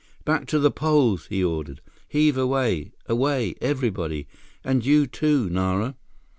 "Back to the poles!" he ordered. "Heave away—away, everybody—and you, too, Nara!"